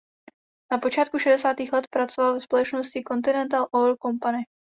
Na počátku šedesátých let pracoval ve společnosti Continental Oil Company.